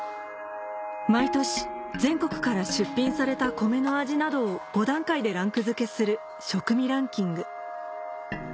毎年全国から出品されたコメの味などを５段階でランク付けする食味ランキング